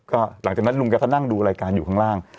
ก็หลังจากนั้นลุงแกก็นั่งดูรายการอยู่ข้างล่าง